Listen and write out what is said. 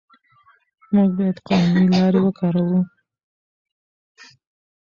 موږ باید قانوني لارې وکاروو.